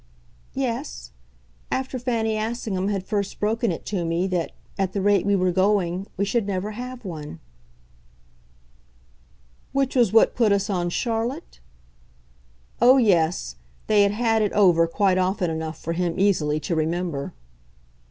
"Yes after Fanny Assingham had first broken it to me that, at the rate we were going, we should never have one." "Which was what put us on Charlotte?" Oh yes, they had had it over quite often enough for him easily to remember.